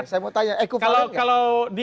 saya mau tanya kalau di